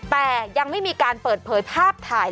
แต่ยังไม่มีการเปิดเผยภาพถ่าย